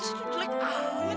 itu tuh jelek amat